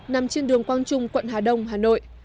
nằm trên đường quang trung quận hà đông hà nội